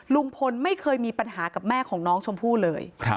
ลุงพลไม่เคยมีปัญหากับแม่ของน้องชมพู่เลย